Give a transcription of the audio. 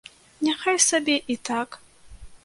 Няхай сабе і так!